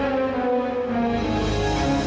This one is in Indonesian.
ya allah kamila kenapa